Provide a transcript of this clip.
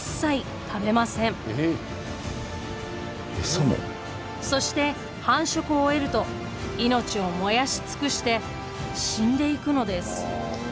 その間そして繁殖を終えると命を燃やし尽くして死んでいくのです。